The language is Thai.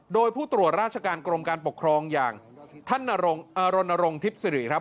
โดยผู้ตรวจราชการกรมการปกครองอย่างท่านอารณรงค์ทิพย์สิริครับ